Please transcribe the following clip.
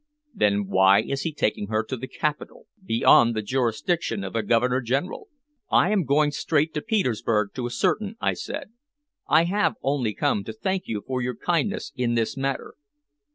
"Then why is he taking her to the capital beyond the jurisdiction of the Governor General?" "I am going straight to Petersburg to ascertain," I said. "I have only come to thank you for your kindness in this matter.